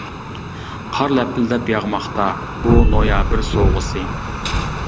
قار لەپىلدەپ ياغماقتا، بۇ نويابىر سوۋغىسى.